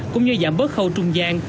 cũng như giảm bớt khâu trung gian